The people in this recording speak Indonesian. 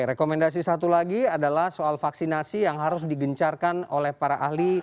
rekomendasi satu lagi adalah soal vaksinasi yang harus digencarkan oleh para ahli